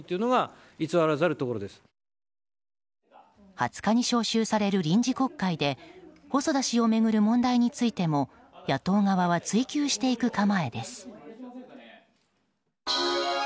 ２０日に召集される臨時国会で細田氏を巡る問題についても野党側は追及していく構えです。